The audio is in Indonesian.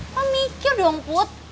kamu mikir dong bud